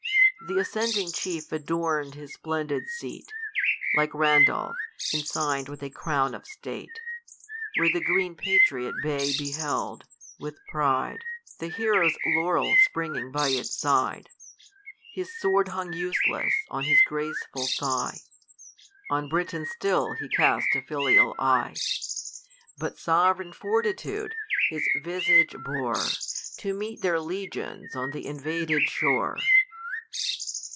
Th' ascending chief adorn'd his splendid seat, Like Randolph, ensign'd with a crown of state, Where the green patriot bay beheld, with pride, The hero's laurel springing by its side ; His sword hung useless, on his graceful thigh, M On 134 THE COLUMBIAN ORATOR. On Britain still he cast a filial eye ; But sovereign fortitude his visage bore, To meet their legions on th' invaded shore.